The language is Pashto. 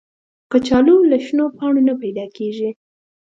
کچالو له شنو پاڼو نه پیدا کېږي